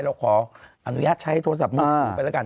เราขออนุญาตใช้โทรศัพท์มือถือไปแล้วกัน